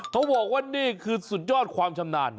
เขาบอกว่านี่คือสุดยอดความชำนาญ